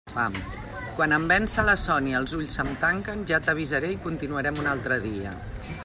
Quan em vença la son i els ulls se'm tanquen, ja t'avisaré i continuarem un altre dia.